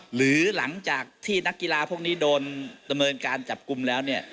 หรือหลังจากที่นักกีฬาพวกนี้โดนดำเนินการจับกลุ่มแล้วเนี่ย